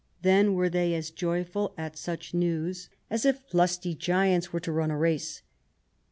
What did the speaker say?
Then were they as joyful at such news as if lusty giants were to run a race."